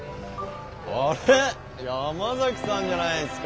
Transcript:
あれ山崎さんじゃないですか。